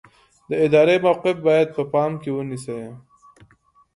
د ادارې موقف باید په پام کې ونیسئ.